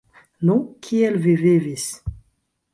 Nu, kiel vi vivis?